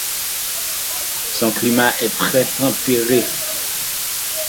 Son climat est très tempéré.